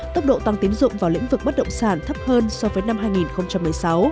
tốc độ tăng tiến dụng vào lĩnh vực bất động sản thấp hơn so với năm hai nghìn một mươi sáu